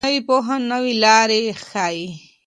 نوې پوهه نوې لارې ښيي.